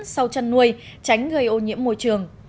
sau chăn nuôi tránh gây ô nhiễm môi trường